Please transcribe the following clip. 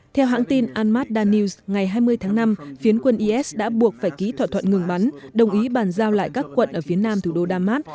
theo hãng tin ahmad danews ngày hai mươi tháng năm phiến quân is đã buộc phải ký thỏa thuận ngừng bắn đồng ý bàn giao lại các quận ở phía nam thủ đô damas